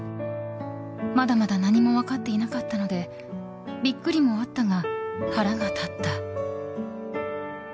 まだまだ何も分かっていなかったのでビックリもあったが腹が立った。